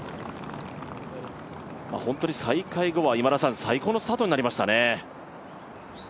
本当に再開後は最高のスタートになりましたね。